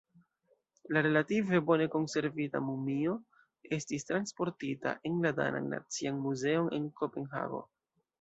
La relative bone konservita mumio estis transportita en la danan nacian muzeon en Kopenhago.